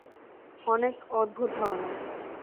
অনেক অদ্ভুত ধরনের।